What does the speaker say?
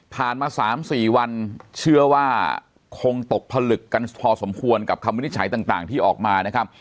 มา๓๔วันเชื่อว่าคงตกผลึกกันพอสมควรกับคำวินิจฉัยต่างที่ออกมานะครับ